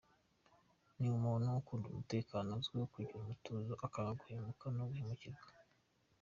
Ni umuntu ukunda umutekano, azwiho kugira umutuzo, akanga guhemuka no guhemukirwa.